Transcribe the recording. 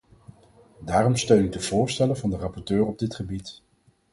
Daarom steun ik de voorstellen van de rapporteur op dit gebied.